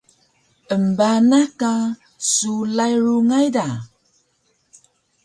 embanah ka sulay rungay da